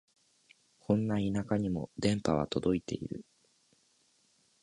こんな田舎にも電波は届いてる